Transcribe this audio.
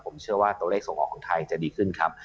ผมเชื่อว่าตัวเลขส่งออกของไทยจะดีขึ้นครับ